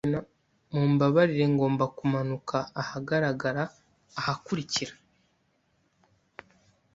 Mumbabarire, ngomba kumanuka ahagarara ahakurikira.